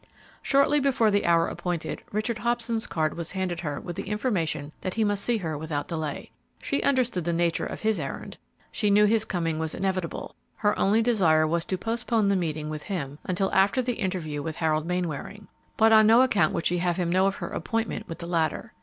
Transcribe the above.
Shortly before the hour appointed, Richard Hobson's card was handed her with the information that he must see her without delay. She understood the nature of his errand; she knew his coming was inevitable; her only desire was to postpone the meeting with him until after the interview with Harold Mainwaring, but on no account would she have him know of her appointment with the latter.